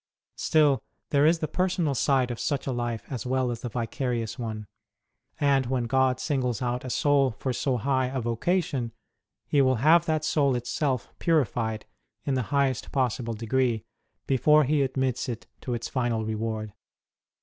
Still, there is the personal side of such a life as well as the vicarious one ; and when God singles out a soul for so high a vocation, He will have 144 ST. ROSE OF LIMA that soul itself purified in the highest possible degree before He admits it to its final reward.